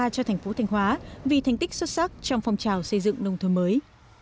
cho thành phố thanh hóa vì thành tích xuất sắc trong phong trào xây dựng nông thôn mới